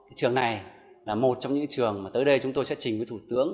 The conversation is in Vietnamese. lựa chọn trường này là một trong những trường mà tới đây chúng tôi sẽ trình với thủ tướng